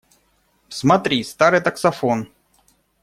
Смотри, старый таксофон!